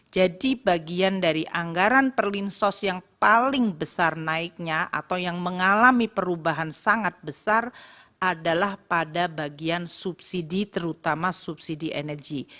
jadi bagian dari anggaran perlinsos yang paling besar naiknya atau yang mengalami perubahan sangat besar adalah pada bagian subsidi terutama subsidi energi